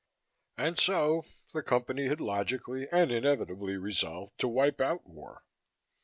And so the Company had logically and inevitably resolved to wipe out war.